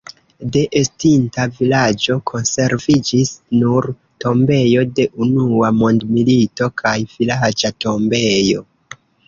De estinta vilaĝo konserviĝis nur tombejo de Unua mondmilito kaj vilaĝa tombejo.